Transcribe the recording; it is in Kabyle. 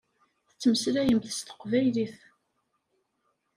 Tettmeslayemt s teqbaylit.